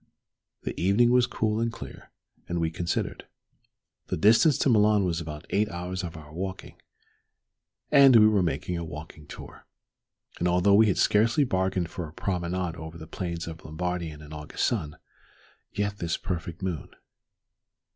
The evening was cool and clear, and we considered. The distance to Milan was but eight hours of our walking, and we were making a walking tour. And although we had scarcely bargained for a promenade over the plains of Lombardy in an August sun yet this perfect moon?